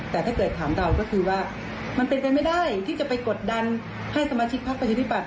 แต่ถ้าเกิดถามเราก็คือว่ามันเป็นไปไม่ได้ที่จะไปกดดันให้สมาชิกพักประชาธิบัต